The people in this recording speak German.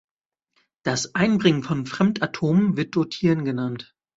Das Einbringen von Fremdatomen wird Dotieren genannt.